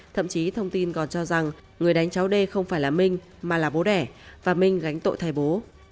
thậm chí thông tin còn cho rằng người đánh cháu đê không phải là minh mà là bố đẻ và minh gánh tội thay bố